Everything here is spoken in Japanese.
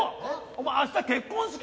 お前明日結婚式？